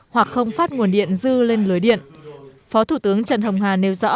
hoặc không phát nguồn điện dư lên lưới điện phó thủ tướng trần hồng hà nêu rõ